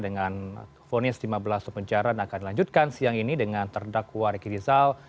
dengan phone in lima belas untuk pencarian akan dilanjutkan siang ini dengan terdakwa riki rizal